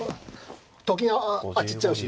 と金あっち行っちゃうし。